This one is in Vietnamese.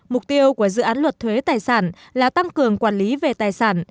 mục tiêu của dự án luật thuế tài sản là tăng cường quản lý về tài sản